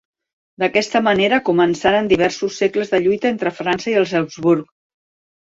D'aquesta manera començaren diversos segles de lluita entre França i els Habsburg.